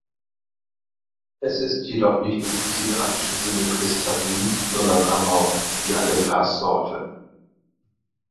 Es ist jedoch nicht im physikalischen Sinne kristallin, sondern amorph wie alle Glassorten.